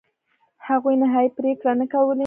هغوی نهایي پرېکړې نه کولې.